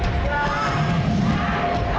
ขอให้ได้นะ